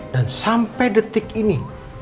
dan sampai detik ini